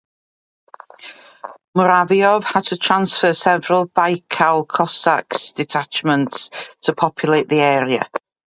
Muravyov had to transfer several Baikal Cossacks detachments to populate the area.